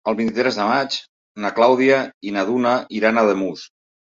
El vint-i-tres de maig na Clàudia i na Duna iran a Ademús.